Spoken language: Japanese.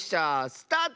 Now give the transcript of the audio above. スタート！